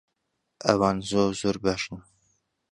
ئەوان زۆر زۆر باشن.